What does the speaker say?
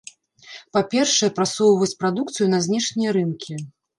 Па-першае, прасоўваць прадукцыю на знешнія рынкі.